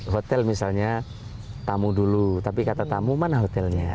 hotel misalnya tamu dulu tapi kata tamu mana hotelnya